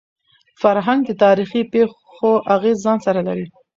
فرهنګ د تاریخي پېښو اغېز ځان سره لري.